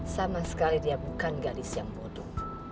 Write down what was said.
sama sekali dia bukan gadis yang bodoh